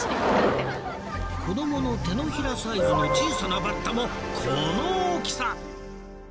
子供の手のひらサイズの小さなバッタもこの大きさ！